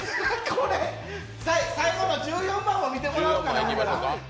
これ、最後の１４番も見てもらおうかな。